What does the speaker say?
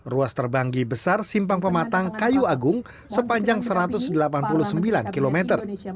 ruas terbanggi besar simpang pematang kayu agung sepanjang satu ratus delapan puluh sembilan kilometer